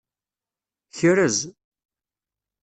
Krez.